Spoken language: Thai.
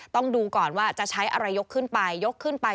ต้องดูก่อนว่าจะใช้อะไรยกขึ้นไป